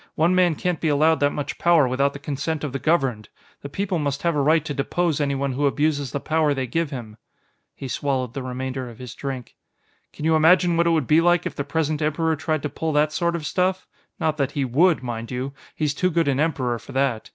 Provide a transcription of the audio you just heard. One man can't be allowed that much power without the consent of the governed. The people must have a right to depose anyone who abuses the power they give him." He swallowed the remainder of his drink. "Can you imagine what it would be like if the present Emperor tried to pull that sort of stuff? Not that he would, mind you; he's too good an Emperor for that.